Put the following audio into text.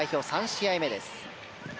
３試合目です。